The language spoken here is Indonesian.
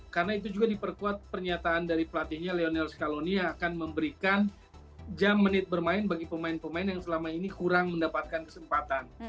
karena itu juga diperkuat pernyataan dari pelatihnya leonel scalonia akan memberikan jam menit bermain bagi pemain pemain yang selama ini kurang mendapatkan kesempatan